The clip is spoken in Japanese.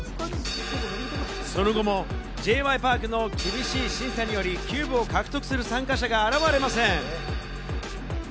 その後もＪ．Ｙ．Ｐａｒｋの厳しい審査により、キューブを獲得する参加者が現れません。